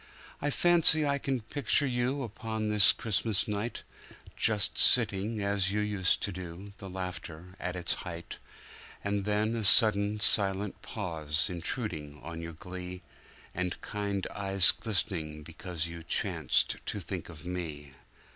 I fancy I can picture you upon this Christmas night, Just sitting as you used to do, the laughter at its height; And then a sudden, silent pause intruding on your glee, And kind eyes glistening because you chanced to think of me.